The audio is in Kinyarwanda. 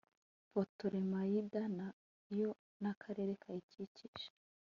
putolemayida na yo n'akarere kayikikije